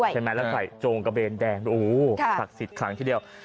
ใช่ไหมแล้วใส่โจงกระเบนแดงโอ้โหศักดิ์สิทธิ์ขังทีเดียว